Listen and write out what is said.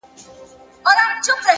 هره تجربه د ژوند نوی درس لري,